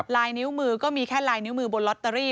ลายนิ้วมือก็มีแค่ลายนิ้วมือบนลอตเตอรี่